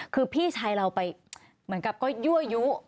คือพี่ชายเราไปเหมือนกับก็ยั่วยุ